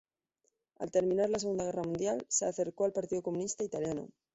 Al terminar la Segunda Guerra Mundial se acercó al Partido Comunista Italiano.